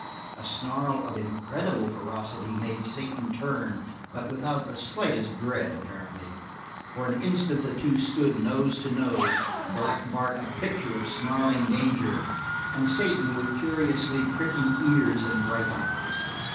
A snarl of incredible ferocity made Satan turn, but without the slightest dread, apparently. For an instant the two stood nose to nose, Black Bart a picture of snarling danger and Satan with curiously pricking ears and bright eyes.